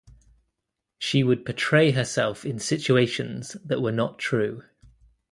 She would portray herself in situations that were not true.